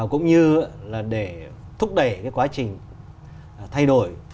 cũng như là để thúc đẩy cái quá trình thay đổi